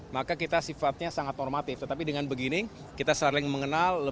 maka kita sifatnya sangat normatif tetapi dengan begini kita saling mengenal